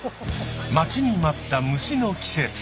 待ちに待った虫の季節。